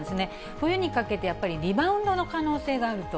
冬にかけてやっぱりリバウンドの可能性があると。